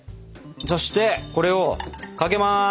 そしてこれをかけます！